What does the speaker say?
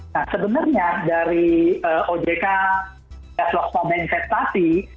nah sebenarnya dari ojk dashboard soda infectasi